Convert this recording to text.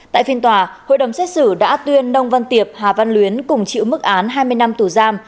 tại phiên tòa hội đồng xét xử đã tuyên nông văn tiệp hà văn luyến cùng chịu mức án hai mươi năm tù giam